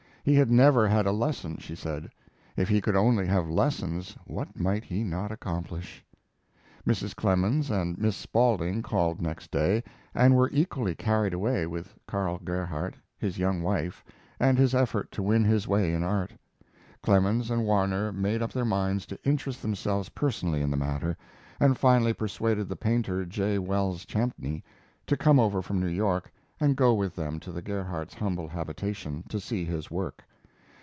He had never had a lesson, she said; if he could only have lessons what might he not accomplish? Mrs. Clemens and Miss Spaulding called next day, and were equally carried away with Karl Gerhardt, his young wife, and his effort to win his way in art. Clemens and Warner made up their minds to interest themselves personally in the matter, and finally persuaded the painter J. Wells Champney to come over from New York and go with them to the Gerhardts' humble habitation, to see his work.